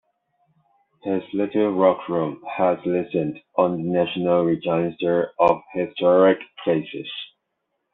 His Little Rock home is listed on the National Register of Historic Places.